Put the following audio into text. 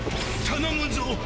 頼むぞ！